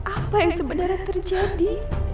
apa yang sebenarnya terjadi